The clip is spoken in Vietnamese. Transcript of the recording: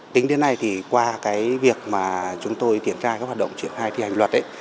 tính đến nay qua việc chúng tôi tiến trai các hoạt động triển khai thi hành luật